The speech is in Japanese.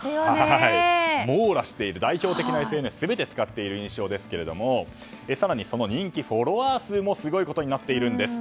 代表的なＳＮＳを全て使っている印象ですが更にその人気、フォロワー数もすごいことになってるんです。